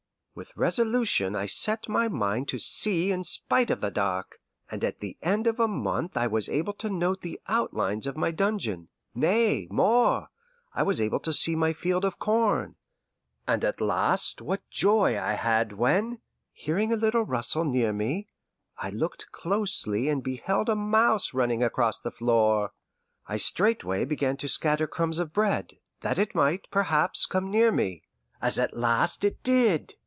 With resolution I set my mind to see in spite of the dark, and at the end of a month I was able to note the outlines of my dungeon; nay, more, I was able to see my field of corn; and at last what joy I had when, hearing a little rustle near me, I looked closely and beheld a mouse running across the floor! I straightway began to scatter crumbs of bread, that it might, perhaps, come near me as at last it did.